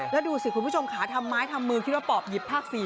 แล้วดูสิคุณผู้ชมขาทำไม้ทำมือคิดว่าปอบหยิบภาค๔